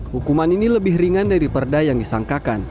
hukuman ini lebih ringan dari perda yang disangkakan